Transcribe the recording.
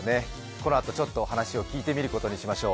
このあとちょっと話を聞いてみることにしましょう。